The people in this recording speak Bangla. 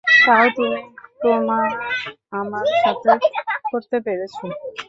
তাও তুমি তোমার আমার সাথে করতে পেরেছো।